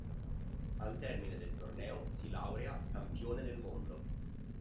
Al termine del torneo si laurea campione del mondo.